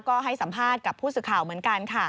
ก็ให้สัมพาทกับผู้สื่อข่าว